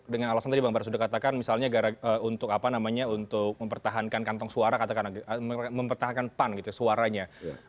dengan alasan tadi bang bara sudah katakan misalnya untuk mempertahankan kantong suara mempertahankan pan suaranya